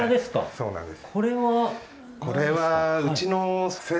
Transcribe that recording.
そうなんです。